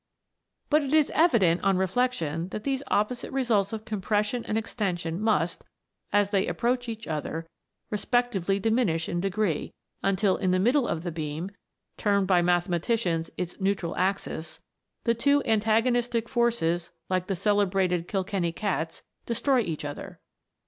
But it is evident, on reflection, that these oppo site results of compression and extension must, as they approach each other, respectively diminish in degree, xintil in the middle of the beam, termed by mathematicians its neutral axis, the two antagonist forces, like the celebrated Kilkenny cats, destroy THE WONDERFUL LAMP. 331 each other.